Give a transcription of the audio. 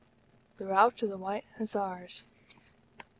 THE ROUT OF THE WHITE HUSSARS.